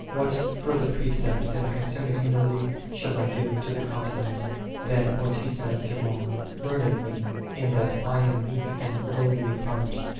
What further precept then concerning humility shall I give to the continent, than what He saith to all, " Learn of Me, in that I am meek and lowly of heart